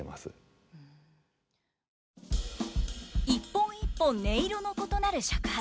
一本一本音色の異なる尺八。